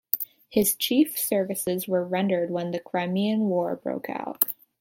His chief services were rendered when the Crimean War broke out.